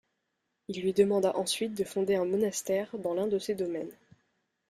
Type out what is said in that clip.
Il lui demanda ensuite de fonder un monastère dans l'un de ses domaines.